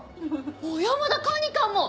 小山田管理官も！